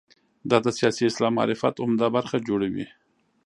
دا د سیاسي اسلام معرفت عمده برخه جوړوي.